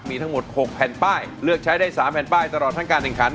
มีทั้งหมด๖แผ่นป้ายเลือกใช้ได้๓แผ่นป้ายตลอดทั้งการแข่งขัน